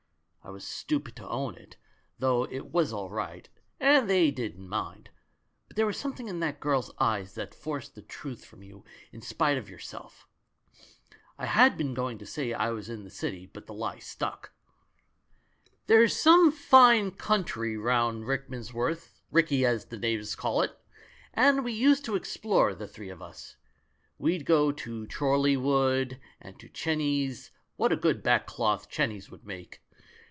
I was stupid to own it, though it was all right and they didn't mind ; but there was something in that girl's eyes that forced the truth from you in spite of your self. I had been going to say I was in the City, but the lie stuck. "There's some fine country round Rickmans worth — 'Ricky,' the natives call it — and we used to explore, the three of us. We'd go to Chorley Wood, and to Chenies — what a good back cloth Chenies would make!